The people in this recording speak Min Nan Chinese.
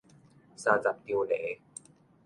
三十張犁